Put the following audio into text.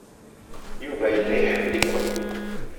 Yuba yella iḥemmel-iken.